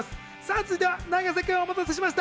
続いては永瀬君、お待たせしました。